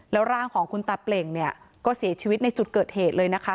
แล้วร่างของคุณตาเปล่งเนี่ยก็เสียชีวิตในจุดเกิดเหตุเลยนะคะ